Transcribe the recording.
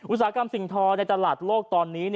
อุตสาหกรรมสิ่งทอในตลาดโลกตอนนี้